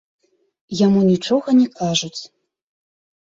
Яму нічога не кажуць.